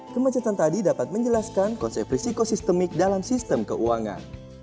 kemacetan tadi dapat menjelaskan konsep risiko sistemik dalam sistem keuangan